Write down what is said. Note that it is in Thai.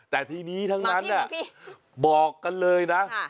เลี่ยงเพื่อนอยู่